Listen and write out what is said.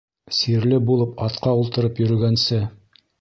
Сирле булып атҡа ултырып йөрөгәнсе